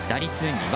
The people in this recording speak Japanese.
２割